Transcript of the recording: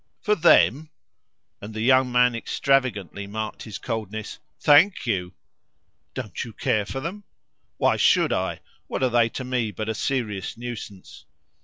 "For 'them'?" and the young man extravagantly marked his coldness. "Thank you!" "Don't you care for them?" "Why should I? What are they to me but a serious nuisance?"